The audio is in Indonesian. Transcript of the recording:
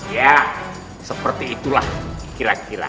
ya seperti itulah kira kira